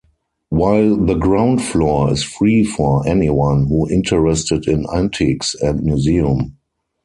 While the ground floor is free for anyone who interested in antiques and museum.